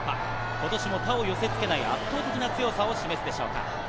ことしも他を寄せ付けない圧倒的な強さを示すでしょうか。